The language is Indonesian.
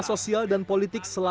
ketika di kota kota